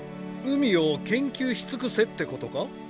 海を研究し尽くせってことか？